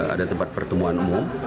ada tempat pertemuan umum